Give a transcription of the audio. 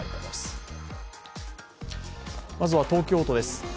まずは東京都です。